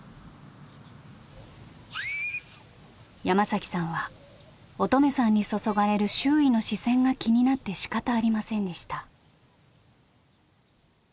山さんは音十愛さんに注がれる周囲の視線が気になってしかたありませんでした。